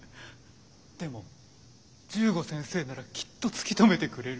でも十五先生ならきっと突き止めてくれる。